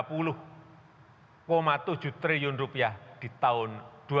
diperkirakan akan meningkat menjadi rp tiga ratus tiga puluh tujuh triliun di tahun dua ribu dua puluh satu